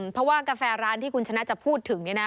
เพราะว่ากาแฟร้านที่คุณชนะจะพูดถึงเนี่ยนะ